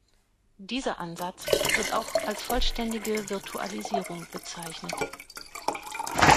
Dieser Ansatz wird auch als "vollständige Virtualisierung" bezeichnet.